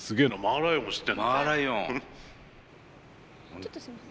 ちょっとすみません。